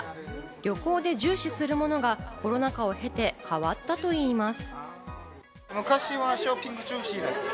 旅行で重視するものがコロナ禍を経て変わったといいます。